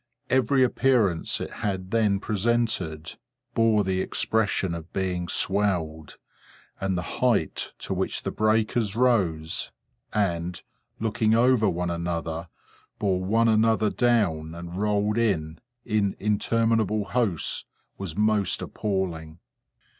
Every appearance it had then presented, bore the expression of being swelled; and the height to which the breakers rose, and, looking over one another, bore one another down, and rolled in, in interminable hosts, was most appalling.